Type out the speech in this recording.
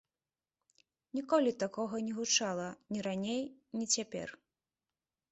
Ніколі такога не гучала, ні раней, ні цяпер.